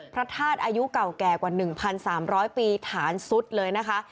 พระธาตุอายุเก่าแก่กว่า๑๓๐๐ปีฐานซุดเลยนะคะ